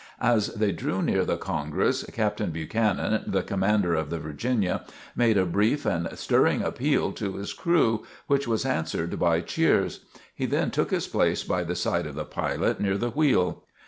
As they drew near the "Congress," Captain Buchanan, the Commander of the "Virginia," made a brief and stirring appeal to his crew, which was answered by cheers. He then took his place by the side of the pilot near the wheel.